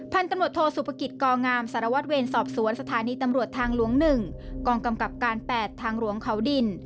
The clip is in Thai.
พันธุ์ตำรวจโทสุภกิจกองามสารวัตรเวรสอบสวนสถานีตำรวจทางหลวง๑กองกำกับการ๘ทางหลวงเขาดิน